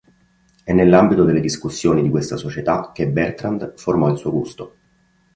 È nell'ambito delle discussioni di questa società che Bertrand formò il suo gusto.